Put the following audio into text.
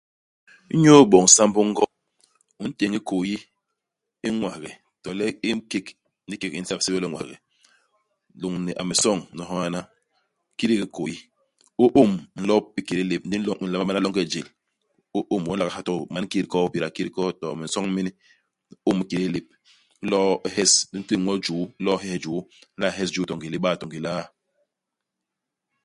Inyu iboñ sambô i ngoo, u ntéñ hikôyi i ñwaghe, to le i kék, ndi ikék di nla nsébél yo le ñwaghe, lôñni hameçon nyono haana ; kidik i hikôyi. U ôm nlop i kédé lép, ndi u nlop u, u nlama bana longe i jél. U ôm. U nla ha to bo man két i koo hipéda hi két hi koo, to bo minsoñ mini. U ôm i kédé lép. U lo u hes. U ntéñ ñwo juu, u lo u hes juu. U nla hes juu to ngébél iba to ngélé iaa.